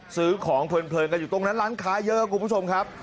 ซื้อของเพลินกันอยู่ตรงนั้นร้านค้าเยอะครับคุณผู้ชมครับ